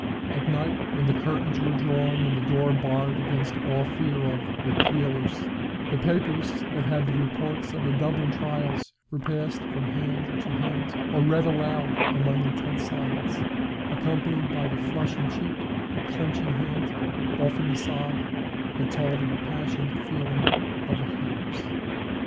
At night, when the curtains were drawn and the door barred against all fear of 'the peelers,' the papers that had the reports of the Dublin trials were passed from hand to hand, or read aloud amid intense silence, accompanied by the flushing cheek, the clenching hand, often the sob, that told of the passionate feeling of the hearers.